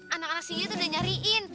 anak anak sendiri tuh udah nyariin